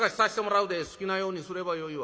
「好きなようにすればよいわ。